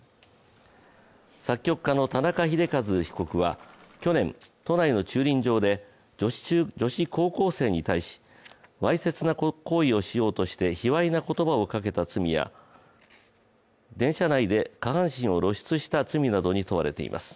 作曲家の田中秀和被告は去年、都内の駐輪場で女子高校生に対し、わいせつな行為をしようとして卑わいな言葉をかけた罪や電車内で下半身を露出した罪などに問われています。